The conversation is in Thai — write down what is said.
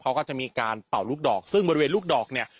เขาก็จะมีการเป่าลูกดอกซึ่งบริเวณลูกดอกเนี่ย